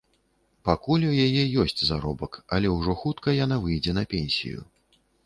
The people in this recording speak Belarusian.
Пакуль у яе ёсць заробак, але ўжо хутка яна выйдзе на пенсію.